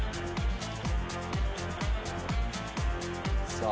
さあ。